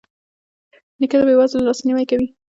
نیکه د بې وزلو لاسنیوی کوي.